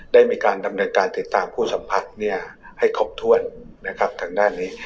ได้มีการดำเนินการติดตามผู้สัมผัสให้ครบถ้วนนะครับทางด้านนี้